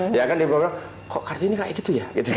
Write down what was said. dia kan di bawah bilang kok kart ini kayak gitu ya